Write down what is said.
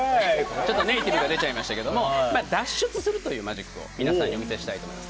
ちょっとネイティブでしたが脱出するというマジックを皆さんにお見せしたいと思います。